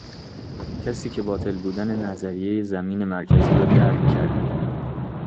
کسی که باطل بودن نظریه زمین مرکزی رو درک کرده،